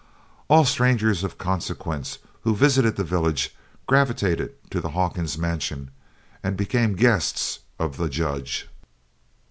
All strangers of consequence who visited the village gravitated to the Hawkins Mansion and became guests of the "Judge."